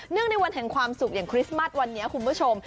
ในวันแห่งความสุขอย่างคริสต์มัสวันนี้คุณผู้ชม